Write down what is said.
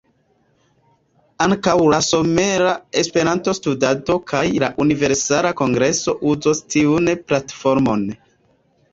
Ankaŭ la Somera Esperanto-Studado kaj la Universala Kongreso uzos tiun platformon.